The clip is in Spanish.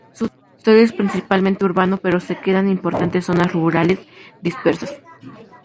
Su territorio es principalmente urbano pero se quedan importantes zonas rurales dispersas.